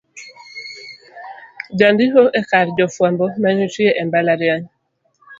jandiko e kar jofwambo manitie e mbalariany